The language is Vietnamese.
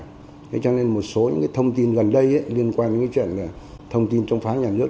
thế cho nên một số những cái thông tin gần đây liên quan đến cái chuyện là thông tin chống phá nhà nước